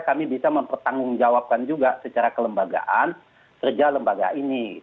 kita mempertanggung jawabkan juga secara kelembagaan kerja lembaga ini